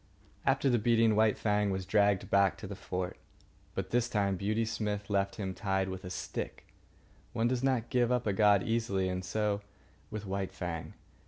After the beating, White Fang was dragged back to the fort. But this time Beauty Smith left him tied with a stick. One does not give up a god easily, and so with White Fang.